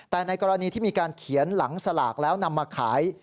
แต่ในกรณีที่มีการเขียนหลังสลากแล้วนำมาขาย